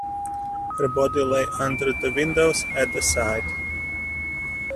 Her body lay under the windows at the side?